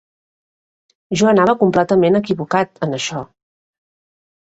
Jo anava completament equivocat, en això